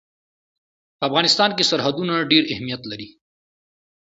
په افغانستان کې سرحدونه ډېر اهمیت لري.